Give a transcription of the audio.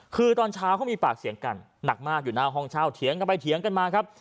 คือตอนเช้าเขามีปากเสียงกันหนักมากอยู่หน้าห้องเช่าเถียงกันไปเถียงกันมาครับ